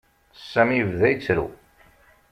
Sami yebda yettru.